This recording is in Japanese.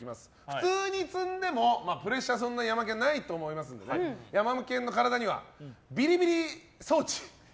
普通に積んでも、プレッシャーはそんなにないと思いますのでヤマケンの体にはビリビリ装置。